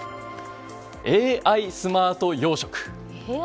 ＡＩスマート養殖。